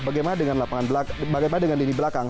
bagaimana dengan di belakang